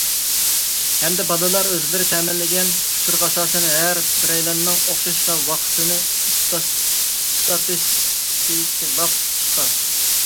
ھەمدە بالىلار ئۆزلىرى تەمىنلىگەن ئۇچۇرغا ئاساسەن، ھەر بىرەيلەننىڭ ئۇخلاش ۋاقتىنى ئىستاتىستىكىلاپ چىققان.